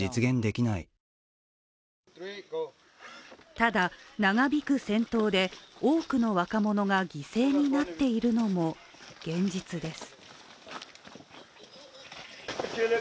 ただ、長引く戦闘で多くの若者が犠牲になっているのも現実です。